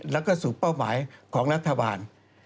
แล้วก็สู่เป้าหมายของรัฐบาล